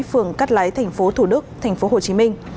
phường cát lái tp thủ đức tp hcm